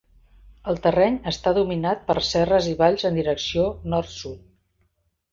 El terreny està dominat per serres i valls en direcció nord-sud.